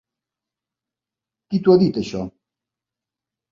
Qui t'ho ha dit, això?